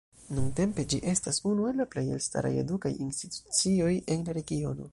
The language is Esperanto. Nuntempe ĝi estas unu el la plej elstaraj edukaj institucioj en la regiono.